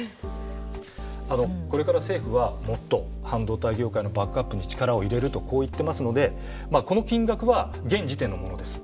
これから政府はもっと半導体業界のバックアップに力を入れるとこう言ってますのでこの金額は現時点のものです。